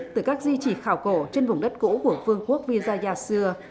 từ các di trì khảo cổ trên vùng đất cũ của vương quốc visaya xưa